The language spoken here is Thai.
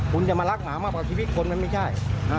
คุณจะมารักหมามากกว่าชีวิตคนมันไม่ใช่